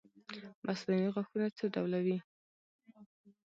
مصنوعي غاښونه څو ډوله وي